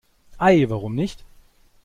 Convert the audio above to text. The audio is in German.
Ei, warum nicht?